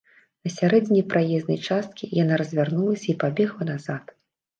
На сярэдзіне праезнай часткі яна развярнулася і пабегла назад.